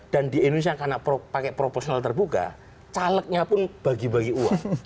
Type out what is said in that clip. dan di indonesia karena pakai proporsional terbuka calegnya pun bagi bagi uang